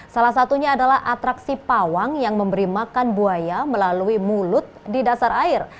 salah satunya adalah atraksi pawang yang memberi makan buaya melalui mulut di dasar air